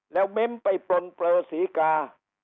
แล้วเม้มไปปลนเปลือศรีกา